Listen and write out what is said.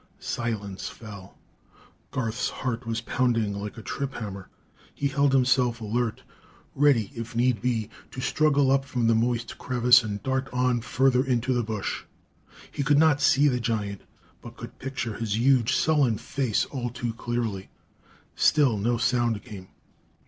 Silence fell. Garth's heart was pounding like a trip hammer. He held himself alert, ready, if need be, to struggle up from the moist crevice and dart on further into the bush. He could not see the giant, but could picture his huge, sullen face all too clearly. Still no sound came.